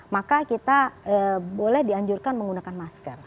maka kita boleh dianjurkan menggunakan masker